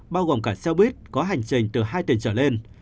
bao gồm cả xe buýt có hành trình từ hai tỉnh trở lên